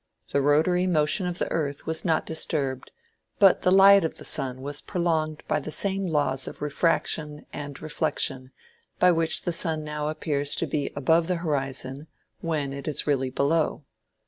The rotary motion of the earth was not disturbed, but the light of the sun was prolonged by the same laws of refraction and reflection by which the sun now appears to be above the horizon when it is really below.